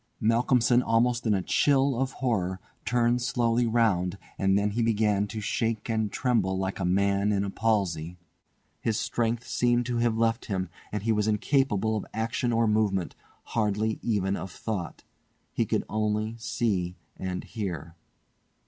Malcolmson, almost in a chill of horror, turned slowly round, and then he began to shake and tremble like a man in a palsy. His strength seemed to have left him, and he was incapable of action or movement, hardly even of thought. He could only see and hear.